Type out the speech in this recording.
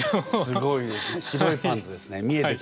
すごいですね白いパンツですね。